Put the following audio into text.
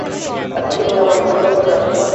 এখন কি তুমি আমার মোকাবিলা করবে, রাজকুমার।